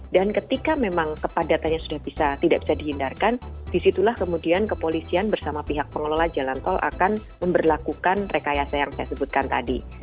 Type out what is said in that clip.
dan ketika memang kepadatannya sudah tidak bisa dihindarkan disitulah kemudian kepolisian bersama pihak pengelola jalan tol akan memperlakukan rekayasa yang saya sebutkan tadi